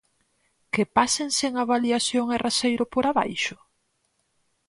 ¿Que pasen sen avaliación e raseiro por abaixo?